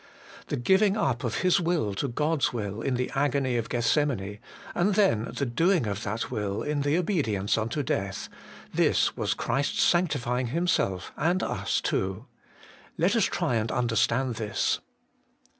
The giving up of His will to God's will in the agony of Gethsemane, and then the doing of that will in the obedience unto death, this was Christ's sanctifying Himself and us too. Let us try and understand this.